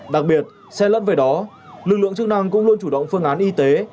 đặc biệt xe lẫn về đó lực lượng chức năng cũng luôn chủ động phương án y tế